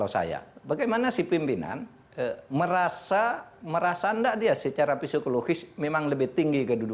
sebenarnya pak mahfud